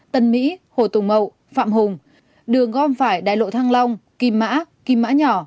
tân mỹ hồ tùng mậu phạm hùng đường gom phải đại lộ thăng long kim mã kim mã nhỏ